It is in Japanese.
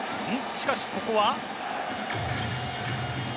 しかし、ここは。